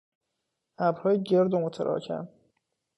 ابرهای گرد و متراکم